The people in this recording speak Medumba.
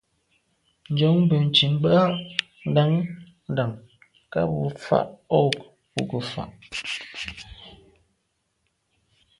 Nyòóŋ bə̀ntcìn bə́ á ndàá ndàŋ ká bù fâ’ o bù gə́ fà’.